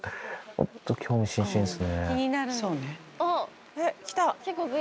本当、興味津々ですね。